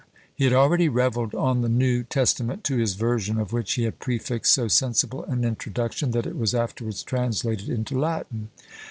He had already revelled on the New Testament, to his version of which he had prefixed so sensible an introduction, that it was afterwards translated into Latin.